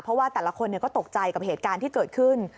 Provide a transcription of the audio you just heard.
เพราะว่าแต่ละคนก็ตกใจกับเหตุการณ์ที่เกิดขึ้น